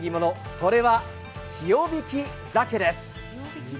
それは塩引き鮭です。